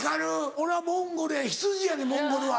俺はモンゴルへ羊やねんモンゴルは。